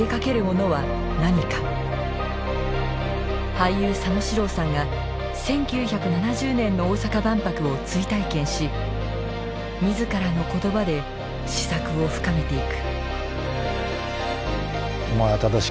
俳優佐野史郎さんが１９７０年の大阪万博を追体験し自らの言葉で思索を深めていく。